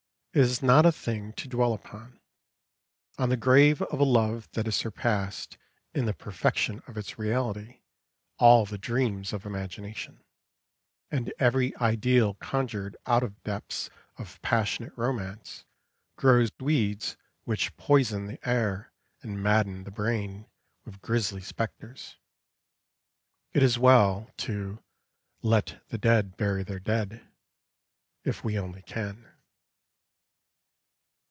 It is not a thing to dwell upon. On the grave of a love that has surpassed, in the perfection of its reality, all the dreams of imagination, and every ideal conjured out of depths of passionate romance, grow weeds which poison the air and madden the brain with grisly spectres. It is well to "let the dead bury their dead" if we only can.